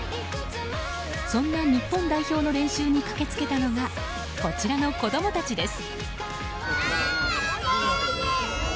そんな日本代表の練習に駆け付けたのがこちらの子供たちです。